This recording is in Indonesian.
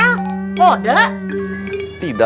misa pertama ceritanya